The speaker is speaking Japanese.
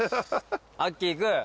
アッキーいく？